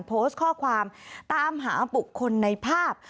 โพสต์ข้อความตามหาบุคคลในภาพ